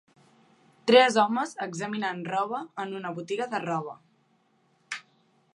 Tres homes examinant roba en una botiga de roba.